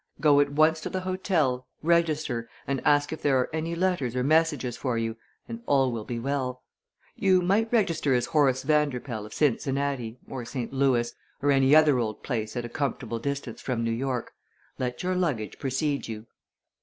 Go at once to the hotel, register, and ask if there are any letters or messages for you, and all will be well. You might register as Horace Vanderpoel, of Cincinnati, or St. Louis, or any other old place at a comfortable distance from New York. Let your luggage precede you."